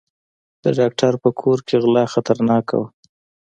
د ډاکټر په کور کې غلا خطرناکه وه.